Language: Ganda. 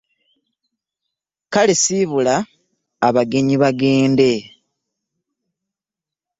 Kale sibula abagenyi bagende.